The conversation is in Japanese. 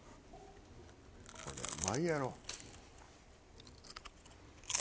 これうまいやろ。